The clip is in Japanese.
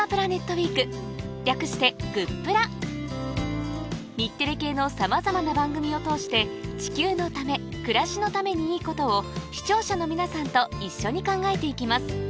ウィーク略してグップラ日テレ系のさまざまな番組を通して地球のため暮らしのためにいいことを視聴者の皆さんと一緒に考えていきます